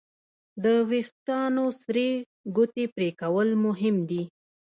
د وېښتیانو سرې ګوتې پرېکول مهم دي.